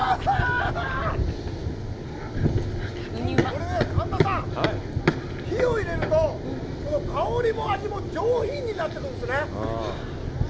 これね、神田さん、火を入れると、香りも、味も上品になってくるんですね。